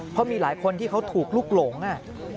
เพราะมีหลายคนที่เขาถูกลุกหลง